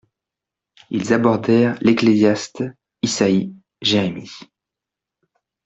Ils abordèrent l'Ecclésiaste, Isaïe, Jérémie.